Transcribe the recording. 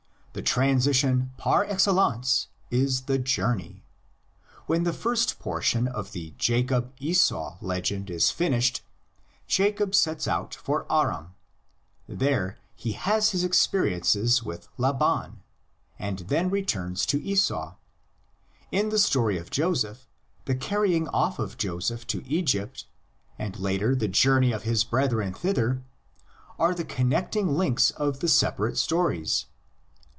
The transition par excellence is the journey. When the first portion of the Jacob Esau legend is finished Jacob sets out for Aram; there he has his experi ences with Laban, and then returns to Esau. In the story of Joseph the carrying off of Joseph to Egypt, and later the journey of his brethren thither, are the connecting links of the separate stories.